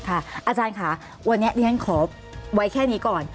อาจารย์ค่ะวันนี้เรียนขอไว้แค่นี้ก่อน